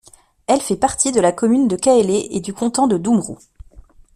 Elle fait partie de la commune de Kaélé et du canton de Doumrou.